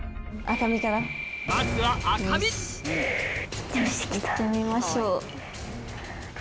行ってみましょう。